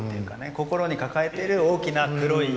心に抱えている大きな黒い。